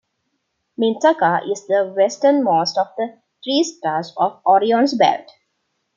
Mintaka is the westernmost of the three stars of Orion's belt.